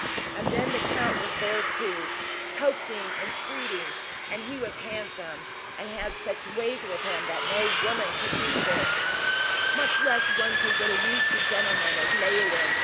And then the count was there, too, coaxing and entreating; and he was handsome and had such ways with him that no woman could resist, much less one so little used to gentlemen as Leoline.